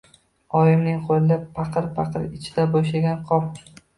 Oyimning qo‘lida paqir, paqir ichida bo‘shagan qop...